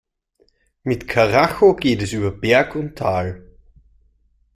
Mit Karacho geht es über Berg und Tal.